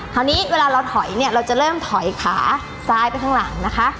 คราวนี้เวลาเราถอยเนี่ยเราจะเริ่มถอยขาซ้ายไปข้างหลังนะคะ